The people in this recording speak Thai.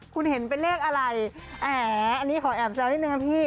คุณเห็นเป็นเลขอะไรขอแอบแซวนิดหนึ่งนะพี่